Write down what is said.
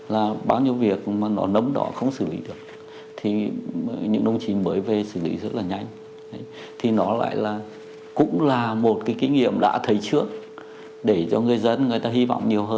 là nhanh chóng để khẳng định